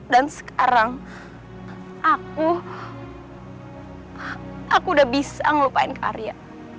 dan sekarang aku aku udah bisa ngelupain kak arya